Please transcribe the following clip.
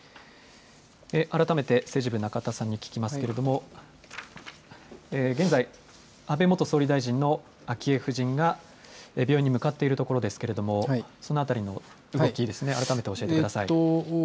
改めて政治部、中田さんに聞きますけれども、現在、安倍元総理大臣の昭恵夫人が、病院に向かっているところですけれども、そのあたりの動き、改めて教えてください。